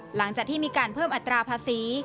หลังจากที่มีการเพิ่มอัตราภาษี